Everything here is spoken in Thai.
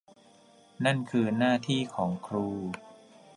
นั่นคือหน้าที่ของครู